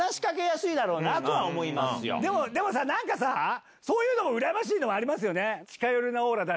でもさ何かさそういうのがうらやましいのありますよね？